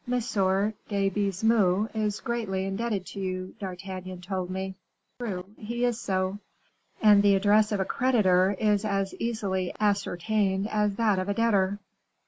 de Baisemeaux is greatly indebted to you, D'Artagnan told me." "True, he is so." "And the address of a creditor is as easily ascertained as that of a debtor."